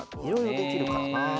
いろいろできるからな。